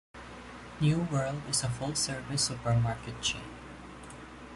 New World is a full-service supermarket chain.